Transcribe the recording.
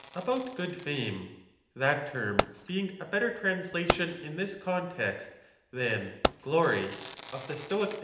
57 About good fame (that term being a better transh tion in tliis context than 'glory' of the Stoic e!